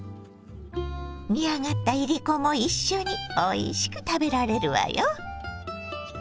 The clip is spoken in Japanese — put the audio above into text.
煮上がったいりこも一緒においしく食べられるわよ。